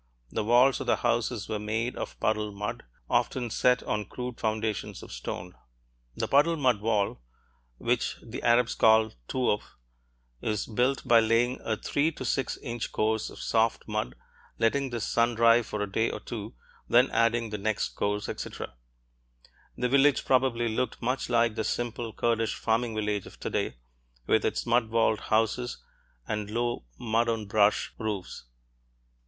The walls of the houses were made of puddled mud, often set on crude foundations of stone. (The puddled mud wall, which the Arabs call touf, is built by laying a three to six inch course of soft mud, letting this sun dry for a day or two, then adding the next course, etc.) The village probably looked much like the simple Kurdish farming village of today, with its mud walled houses and low mud on brush roofs.